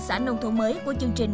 xã nông thôn mới của chương trình